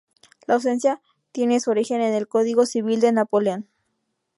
La ausencia tiene su origen en el Código Civil de Napoleón.